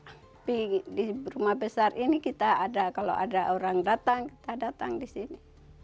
tapi di rumah besar ini kita ada kalau ada orang datang kita datang di sini